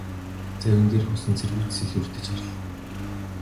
Завин дээрх усан цэргүүд ч сэлүүрдэж гарлаа.